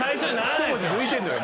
一文字抜いてんのよ